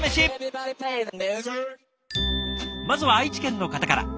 まずは愛知県の方から。